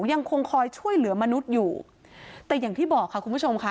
ยังคงคอยช่วยเหลือมนุษย์อยู่แต่อย่างที่บอกค่ะคุณผู้ชมค่ะ